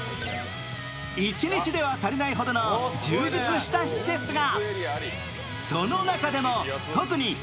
一日では足りないほどの充実した施設が。